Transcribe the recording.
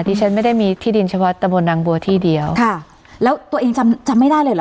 ที่ฉันไม่ได้มีที่ดินเฉพาะตะบนนางบัวที่เดียวค่ะแล้วตัวเองจำจำไม่ได้เลยเหรอ